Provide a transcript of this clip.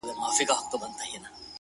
ستا د پرونۍ ورځې عادت بې هوښه سوی دی;